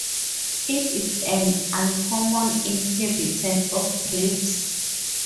It is an uncommon inhabitant of reefs.